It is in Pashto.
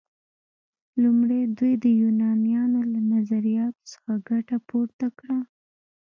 لومړی دوی د یونانیانو له نظریاتو څخه ګټه پورته کړه.